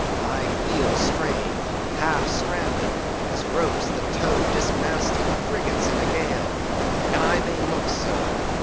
I feel strained, half stranded, as ropes that tow dismasted frigates in a gale; and I may look so.